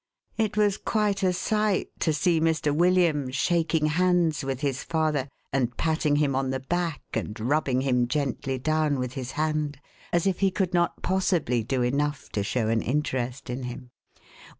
It was quite a sight to see Mr. William shaking hands with his father, and patting him on the back, and rubbing him gently down with his hand, as if he could not possibly do enough to show an interest in him.